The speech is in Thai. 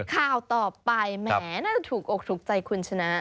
ข่าวต่อไปแหมน่าจะถูกอกถูกใจคุณชนะ